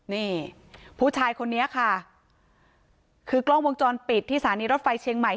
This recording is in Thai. นี่ผู้ชายคนนี้ค่ะคือกล้องวงจรปิดที่สถานีรถไฟเชียงใหม่